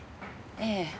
ええ。